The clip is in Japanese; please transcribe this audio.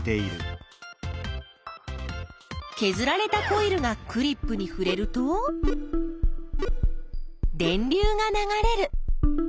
けずられたコイルがクリップにふれると電流が流れる。